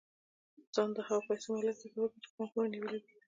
ځان د هغو پيسو مالک تصور کړئ چې په پام کې مو نيولې دي.